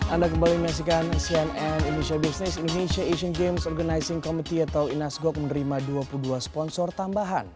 anda kembali menyaksikan cnn indonesia business indonesia asian games organizing committee atau inas gok menerima dua puluh dua sponsor tambahan